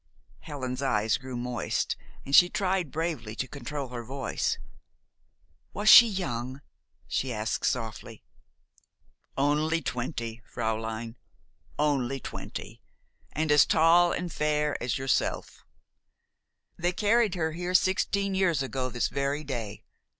Helen's eyes grew moist; but she tried bravely to control her voice. "Was she young?" she asked softly. "Only twenty, fräulein, only twenty, and as tall and fair as yourself. They carried her here sixteen years ago this very day.